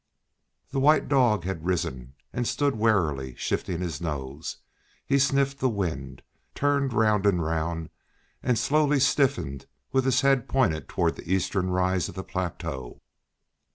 The white dog had risen and stood warily shifting his nose. He sniffed the wind, turned round and round, and slowly stiffened with his head pointed toward the eastern rise of the plateau.